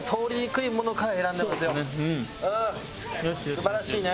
素晴らしいね。